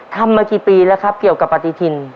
ทำมากี่ปีแล้วครับเกี่ยวกับปฏิทิน